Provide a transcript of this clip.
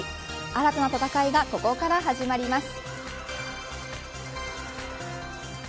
新たな戦いがここから始まります。